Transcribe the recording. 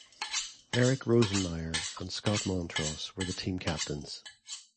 Erik Rosenmeier and Scott Montross were the team captains.